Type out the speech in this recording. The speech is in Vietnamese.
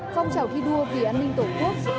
phong trào thi đua vì an ninh tổ quốc